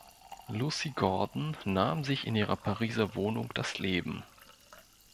Lucy Gordon nahm sich in ihrer Pariser Wohnung das Leben.